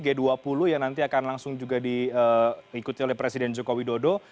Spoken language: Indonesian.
g dua puluh yang nanti akan langsung juga diikuti oleh presiden joko widodo